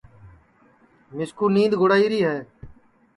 مِسکُو تو نید گُڑائیری ہے